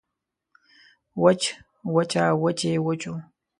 وچ وچه وچې وچو